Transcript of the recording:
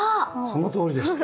そのとおりです。